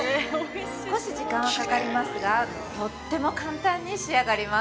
少し時間はかかりますがとっても簡単に仕上がります。